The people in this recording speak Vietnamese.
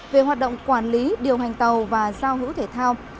về hoạt động quản lý điều hành tàu và giao hữu thể thao